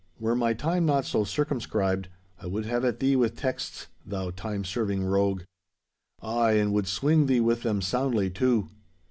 Were my time not so circumscribed, I would have at thee with texts, thou time serving rogue. Ay, and would swinge thee with them soundly, too.